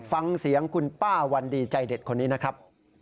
ฟังเสียงคุณป้าวันดีใจเด็ดคนนี้นะครับ